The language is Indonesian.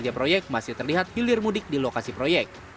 sejak proyek masih terlihat hilir mudik di lokasi proyek